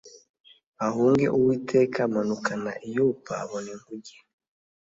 ahunge Uwiteka Amanukana i Yopa abona inkuge